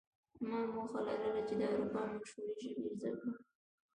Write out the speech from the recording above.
ما موخه لرله چې د اروپا مشهورې ژبې زده کړم